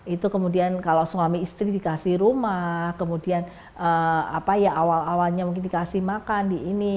itu kemudian kalau suami istri dikasih rumah kemudian awal awalnya mungkin dikasih makan di ini